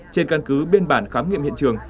trên căn cứ biên bản khám nghiệm hiện trường